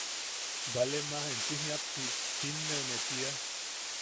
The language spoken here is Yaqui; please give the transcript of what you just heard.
‘baale maj enchim jiapsi jinneʼuneʼ, tia.